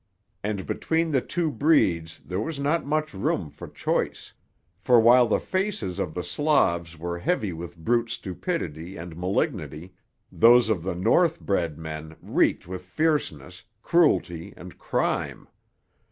And between the two breeds there was not much room for choice. For while the faces of the Slavs were heavy with brute stupidity and malignity, those of the North bred men reeked with fierceness, cruelty and crime.